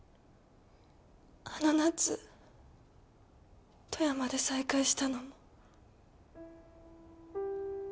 あの夏富山で再会したのも。